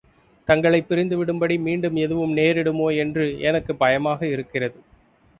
தங்களைப் பிரிந்து விடும்படி மீண்டும் எதுவும் நேரிடுமோ என்று எனக்குப் பயமாக இருக்கிறது.